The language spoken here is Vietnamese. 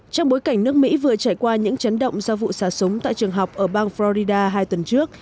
trong bối cảnh nước mỹ vừa trải qua những chấn động do vụ xả súng tại trường học ở bang florida hai tuần trước